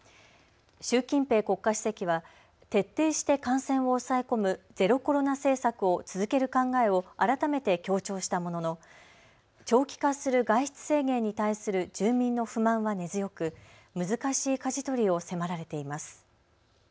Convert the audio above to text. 習近平国家主席は徹底して感染を抑え込むゼロコロナ政策を続ける考えを改めて強調したものの長期化する外出制限に対する住民の不満は根強く難しいかじ取りを迫られています。